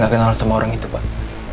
saya sih gak kenal sama orang itu pak